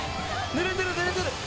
ぬれてるぬれてる！